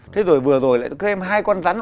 thế rồi vừa rồi lại có hai con rắn